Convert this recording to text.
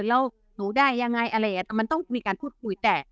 แล้วหนูได้ยังไงอะไรอย่างนี้มันต้องมีการพูดคุยแต่